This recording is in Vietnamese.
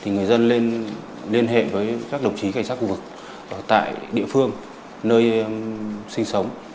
người dân nên liên hệ với các đồng chí cảnh sát khu vực tại địa phương nơi sinh sống